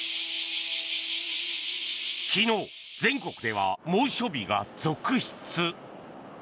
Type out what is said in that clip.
昨日、全国では猛暑日が続出。